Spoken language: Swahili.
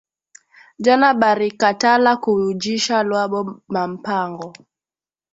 Jana barikatala ku ujisha lwabo ma mpango